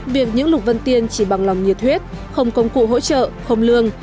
việc những lục vân tiên chỉ bằng lòng nhiệt huyết không công cụ hỗ trợ không lương